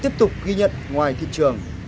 tiếp tục ghi nhận ngoài thị trường